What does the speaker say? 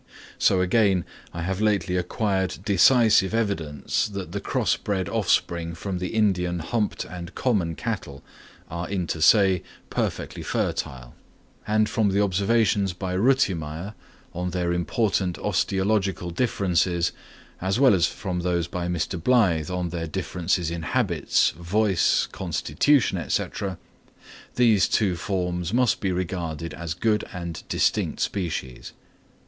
So again I have lately acquired decisive evidence that the crossed offspring from the Indian humped and common cattle are inter se perfectly fertile; and from the observations by Rütimeyer on their important osteological differences, as well as from those by Mr. Blyth on their differences in habits, voice, constitution, &c., these two forms must be regarded as good and distinct species.